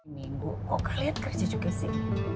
minggu kok kalian kerja juga sih